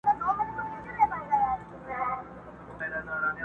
له یوه ښاخه تر بله په هوا سو.!